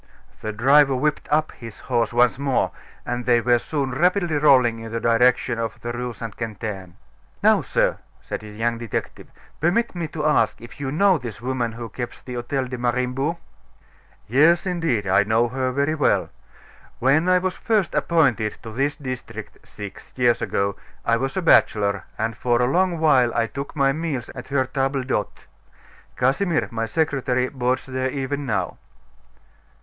The driver whipped up his horse once more, and they were soon rapidly rolling in the direction of the Rue St. Quentin. "Now, sir," said the young detective, "permit me to ask if you know this woman who keeps the Hotel de Mariembourg?" "Yes, indeed, I know her very well. When I was first appointed to this district, six years ago, I was a bachelor, and for a long while I took my meals at her table d'hote. Casimir, my secretary, boards there even now."